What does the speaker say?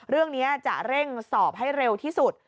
เรื่องนี้จะเร่งสอบให้เร็วที่สุด